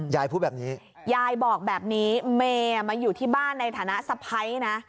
ยายพูดแบบนี้ยายบอกแบบนี้เมย์มาอยู่ที่บ้านในฐานะสะพ้ายนะ